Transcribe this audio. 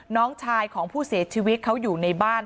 น้องชายของผู้เสียชีวิตเขาอยู่ในบ้าน